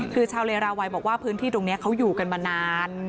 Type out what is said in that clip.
คือชาวเลราวัยบอกว่าพื้นที่ตรงนี้เขาอยู่กันมานาน